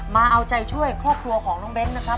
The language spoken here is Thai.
มาเอาใจช่วยครอบครัวของน้องเบ้นนะครับ